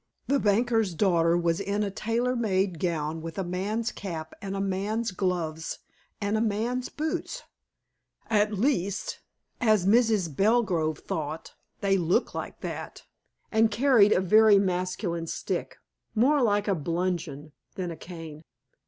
The banker's daughter was in a tailor made gown with a man's cap and a man's gloves, and a man's boots at least, as Mrs. Belgrove thought, they looked like that and carried a very masculine stick, more like a bludgeon than a cane.